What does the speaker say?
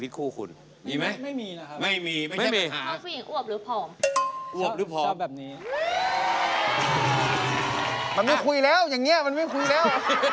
มันไม่คุยแล้วอย่างนี้มันไม่คุยแล้ว